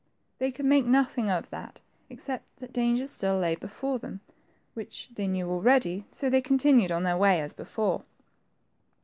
They could make nothing of that except that dangers still lay before them, which they knew already, so they continued on their way as before.